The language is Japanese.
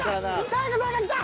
大悟さんが来た！